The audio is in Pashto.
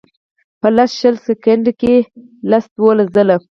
پۀ لس شل سیکنډه کښې لس دولس ځله